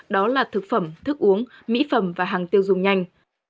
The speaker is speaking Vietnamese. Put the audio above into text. đó là thực phẩm thức uống mỹ phẩm và hàng tiêu dùng nhanh